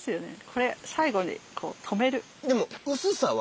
これ最後にこう止める。